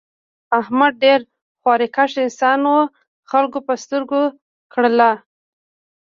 احمد ډېر خواریکښ انسان و خلکو په سترگو کړلا.